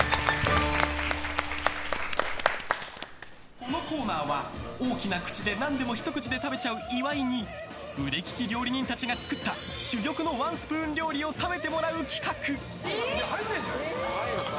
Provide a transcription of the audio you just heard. このコーナーは、大きな口で何でもひと口で食べちゃう岩井に腕利き料理人たちが作った珠玉のワンスプーン料理を食べてもらう企画！